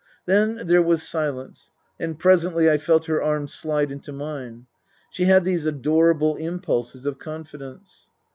Then there was silence, and presently I felt her arm slide into mine (she had these adorable impulses of confidence).